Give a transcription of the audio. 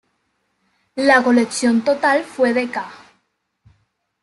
La colección total fue de ca.